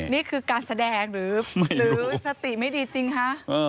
นี่คือการแสดงหรือสติไม่ดีจริงคะ